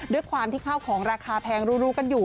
ด้วยความที่ข้าวของราคาแพงรู้กันอยู่